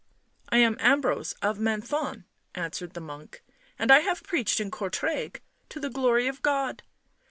" I am Ambrose of Menthon," answered the monk. " And I have preached in Courtrai. To the glory of God."